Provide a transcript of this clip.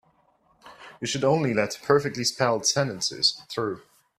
You should only let perfectly spelled sentences through.